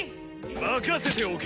任せておけ！